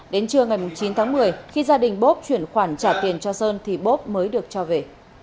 đến trưa ngày chín tháng một mươi khi gia đình bố chuyển khoản trả tiền cho sơn thì bốp mới được cho về